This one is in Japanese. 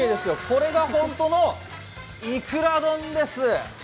これが本当のいくら丼です。